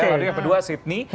lalu yang kedua sydney